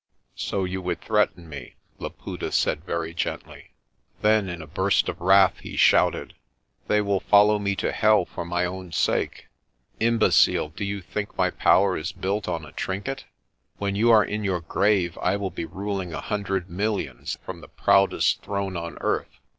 ' "So you would threaten me," Laputa said very gently. Then in a burst of wrath he shouted, "They will follow me to hell for my own sake. Imbecile, do you think my power is built on a trinket? When you are in your grave, I will be ruling a hundred millions from the proudest throne on earth."